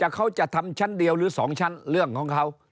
เขาจะทำชั้นเดียวหรือ๒ชั้นเรื่องของเขา